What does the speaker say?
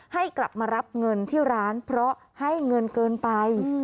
ให้กลับมารับเงินที่ร้านเพราะให้เงินเกินไป